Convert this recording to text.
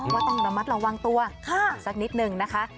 ว่าต้องระมัดระวังตัวสักนิดนึงนะคะ